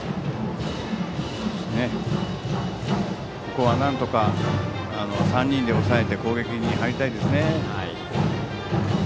ここはなんとか３人で抑えて攻撃に入りたいですね。